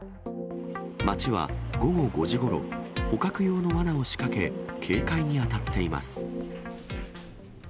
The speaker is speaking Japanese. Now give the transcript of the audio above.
町は午後５時ごろ、捕獲用のわなを仕掛け、警戒に当たっています。